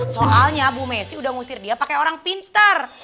soalnya bu messi udah ngusir dia pakai orang pintar